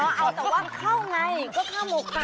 เอาแต่ว่าข้าวไงก็ข้าวหมกค่ะ